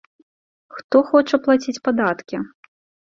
Хто хоча плаціць падаткі?